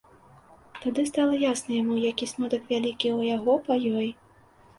Тады стала ясна яму, які смутак вялікі ў яго па ёй.